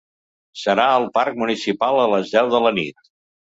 Serà al parc municipal a les deu de la nit.